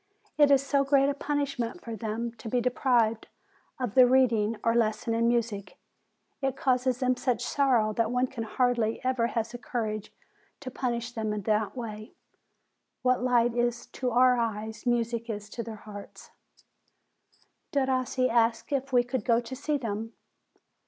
It is so great a punishment for them to be deprived of the read ing, or lesson in music, it causes them such sorrow that one hardly ever has the courage to punish them in that way. What light is to our eyes, music is to their hearts." Derossi asked if we could go to see them.